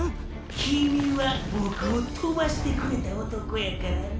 君はボクをとばしてくれた男やからね。